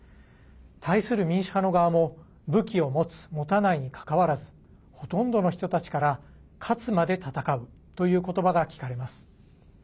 対する民主派の側も武器を持つ持たないにかかわらずほとんどの人たちから勝つまで戦うということばが聞かれます。